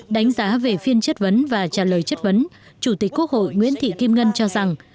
đánh giá về phiên chất vấn và trả lời chất vấn chủ tịch quốc hội nguyễn thị kim ngân cho rằng